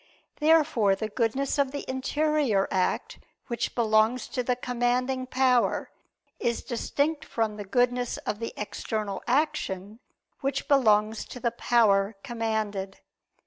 Therefore the goodness of the interior act, which belongs to the commanding power, is distinct from the goodness of the external action, which belongs to the power commanded.